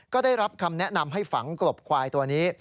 ก็ได้รับคำแนะนำให้ฝังกลบควายตัวนี้